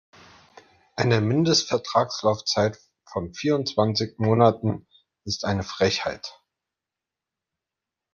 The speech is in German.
Eine Mindestvertragslaufzeit von vierundzwanzig Monaten ist eine Frechheit.